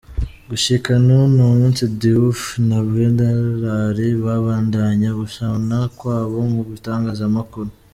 Gushika n'uno munsi, Diouf na Gerrad babandanya gushwana kwabo mu bitangazamakuru.